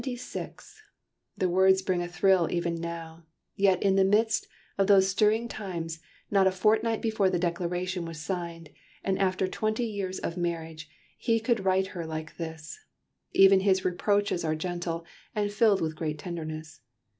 "'Seventy six!" The words bring a thrill even now, yet, in the midst of those stirring times, not a fortnight before the Declaration was signed, and after twenty years of marriage, he could write her like this. Even his reproaches are gentle, and filled with great tenderness.